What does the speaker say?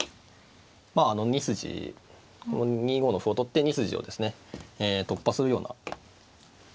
まああの２筋２五の歩を取って２筋をですね突破するような。